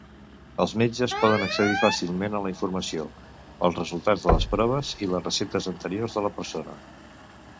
Els metges poden accedir fàcilment a la informació, els resultats de les proves i les receptes anteriors de la persona.